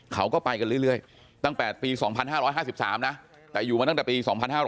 เขาก็ไปกันเรื่อยตั้งแต่ปี๒๕๕๓นะแต่อยู่มาตั้งแต่ปี๒๕๕๙